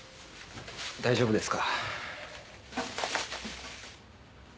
大丈夫です。